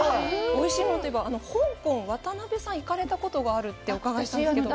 おいしいものといえば、香港、渡辺さん、行かれたことがあるってお伺いしたんですけど。